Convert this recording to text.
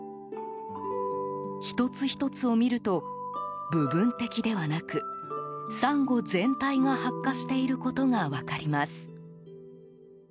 一つ一つを見ると部分的ではなくサンゴ全体が白化していることが分かります。